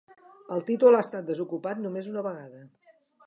El títol ha estat desocupat només una vegada.